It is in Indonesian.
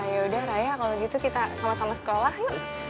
yaudah ray kalau gitu kita sama sama sekolah yuk